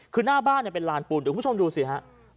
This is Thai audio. คือหน้าบ้านเป็นลานปูนผู้ชมดูสิครับ